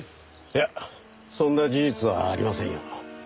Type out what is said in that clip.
いやそんな事実はありませんよ。